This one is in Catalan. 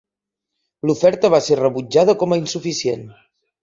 L'oferta va ser rebutjada com a insuficient.